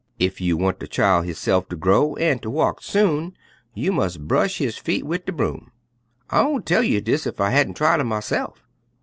Ef you want de chil' hisse'f ter grow an' ter walk soon you mus' bresh his feet wid de broom. I oon tell you dis ef I hadn't tried 'em myse'f.